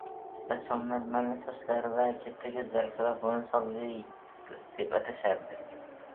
Rassomlar malla sochlari va katta koʻzlari sabab uni Solveyg deb atashardi.